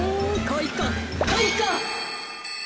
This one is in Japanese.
かいか！